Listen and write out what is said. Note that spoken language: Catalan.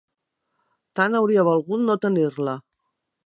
Tant hauria valgut no tenir-la